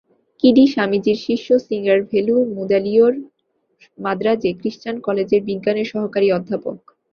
কিডি স্বামীজীর শিষ্য সিঙ্গারভেলু মুদালিয়র, মান্দ্রাজে ক্রিশ্চান কলেজের বিজ্ঞানের সহকারী অধ্যাপক।